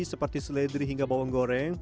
seperti seledri hingga bawang goreng